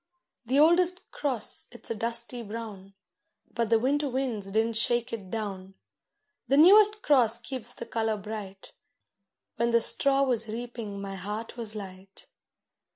The oldest cross it's a dusty brown, But the winter winds didn't shake it down; The newest cross keeps the colour bright; When the straw was reaping my heart was light.